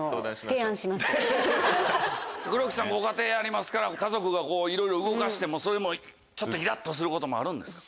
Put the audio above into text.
黒木さんご家庭ありますから家族がいろいろ動かしてもそれもちょっとイラっとすることもあるんですか？